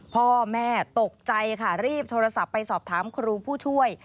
พ่อแม่ตกใจค่ะรีบโทรศัพท์ไปสอบถามครูผู้ช่วย